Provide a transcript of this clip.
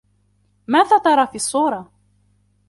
ماذا ترى في الصورة ؟